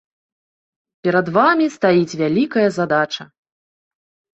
Перад вамі стаіць вялікая задача.